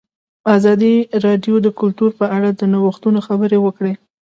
ازادي راډیو د کلتور په اړه د نوښتونو خبر ورکړی.